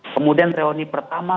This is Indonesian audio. kemudian reuni pertama